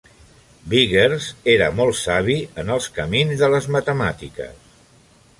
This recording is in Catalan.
Biggers era molt savi en els camins de les matemàtiques.